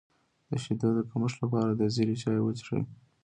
د شیدو د کمښت لپاره د زیرې چای وڅښئ